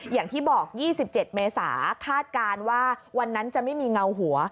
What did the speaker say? อย่างที่บอก๒๗เมษาคาดการณ์ว่าวันนั้นจะไม่มีเงาหัว